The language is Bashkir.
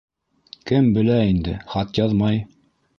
Кем белә инде, хат яҙмай.